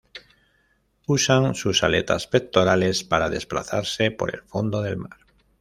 Usan sus aletas pectorales para desplazarse por el fondo del mar.